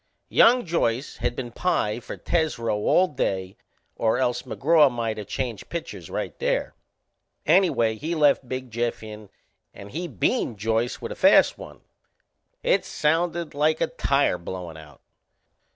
Young Joyce had been pie for Tesreau all day or else McGraw might of changed pitchers right there. Anyway he left Big Jeff in and he beaned Joyce with a fast one. It sounded like a tire blowin' out.